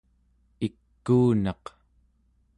ikuunaq